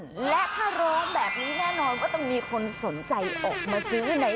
และถ้าร้องแบบนี้แน่นอนว่าต้องมีคนสนใจออกมาซื้อใน